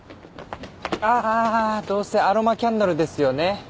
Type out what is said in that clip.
あどうせアロマキャンドルですよね？